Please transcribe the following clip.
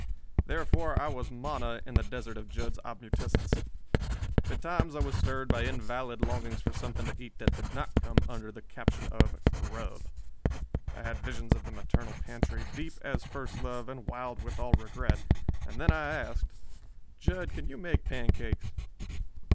Therefore, I was manna in the desert of Jud's obmutescence. Betimes I was stirred by invalid longings for something to eat that did not come under the caption of "grub." I had visions of the maternal pantry "deep as first love, and wild with all regret," and then I asked: "Jud, can you make pancakes?"